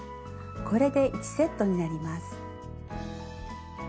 これで１セットになります。